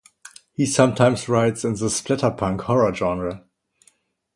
He sometimes writes in the splatterpunk horror genre.